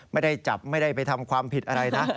ไม่ได้จับไม่ได้ไปทำความผิดอะไรนะ